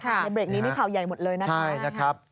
ในเบรกนี้นี่ข่าวใหญ่หมดเลยนะครับ